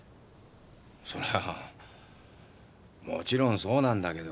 そりゃもちろんそうなんだけど。